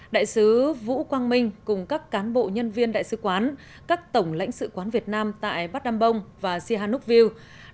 đại sứ vũ quang minh cùng các cán bộ nhân viên đại sứ quán các tổng lãnh sự quán việt nam tại bát đam bông và sihanoukville